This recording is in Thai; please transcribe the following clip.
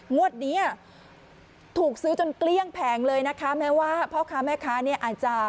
งวดนี้ถูกซื้อจนเกลี้ยงแผงเลยนะคะแม้ว่าพ่อค้าแม่ค้าเนี่ยอาจจะ